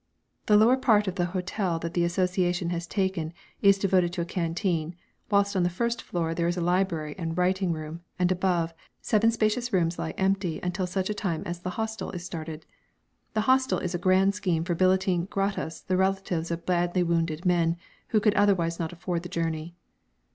The lower part of the hotel that the Association has taken is devoted to a canteen, whilst on the first floor there is a library and writing room, and above, seven spacious rooms lie empty until such a time as the hostel is started. The hostel is a grand scheme for billeting gratis the relatives of badly wounded men, who could otherwise not afford the journey.